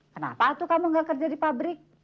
kenapa tuh kamu gak kerja di pabrik